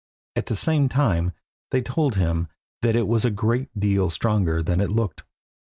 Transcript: At the same time they told him that it was a good deal stronger than it looked.